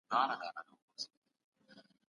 تخنیکي پرمختګ د ژوند لازمي برخه ده.